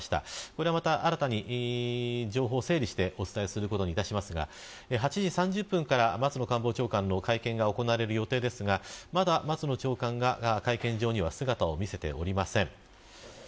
これは、新たに情報を整理してお伝えすることになりますが８時３０分から松野官房長官の会見が行われる予定でしたが松野官房長官はまだ会見場に姿を見せていません。